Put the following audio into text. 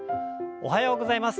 おはようございます。